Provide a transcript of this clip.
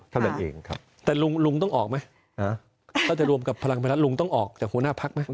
แต่ลุงต้องออกไหมถ้าจะรวมกับพลังประชารัฐลุงต้องออกจากหัวหน้าพลักษณ์ไหม